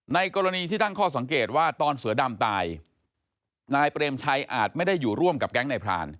กรณีที่ตั้งข้อสังเกตว่าตอนเสือดำตายนายเปรมชัยอาจไม่ได้อยู่ร่วมกับแก๊งนายพราน